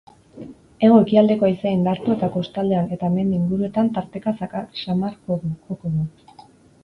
Hego-ekialdeko haizea indartu eta kostaldean eta mendi inguruetan tarteka zakar samar joko du.